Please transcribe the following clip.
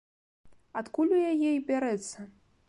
Адкуль у яе й бярэцца?